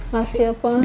mas ya pak